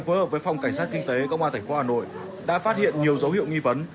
phối hợp với phòng cảnh sát kinh tế công an tp hà nội đã phát hiện nhiều dấu hiệu nghi vấn